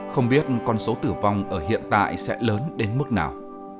không biết con số tử vong ở hiện tại sẽ lớn đến mức nào